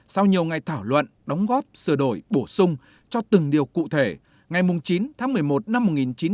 sau nhiều ngày thảo luận đóng góp sửa đổi bổ sung cho từng điều cụ thể ngày chín tháng một mươi một năm một nghìn chín trăm bảy mươi